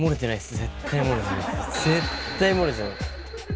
絶対漏れてない！